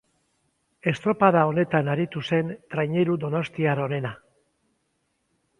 Estropada honetan aritu zen traineru donostiar onena.